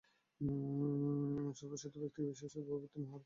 সর্বেশ্বরস্তু ব্যক্তিবিশেষো ভবিতুং নার্হতি, সমষ্টিরিত্যেব গ্রহণীয়ম্।